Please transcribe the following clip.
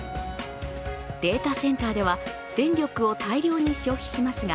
データセンターでは電力を大量に消費しますが、